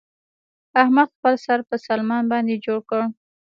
احمد خپل سر په سلمان باندې جوړ کړ.